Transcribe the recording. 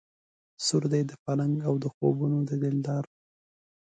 سور دی د پالنګ او د خوبونو د دلدار رنګ